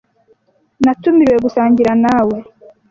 Natumiriwe gusangira na we.